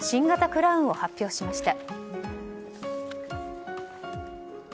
クラウンを発表しました。